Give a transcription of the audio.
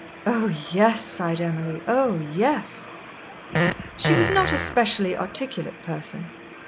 "Oh, yes," sighed Emily; "oh, yes!" She was not a specially articulate person.